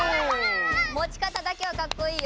もちかただけはカッコいいよ。